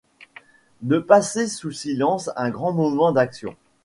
De passer sous silence un grand moment d’action.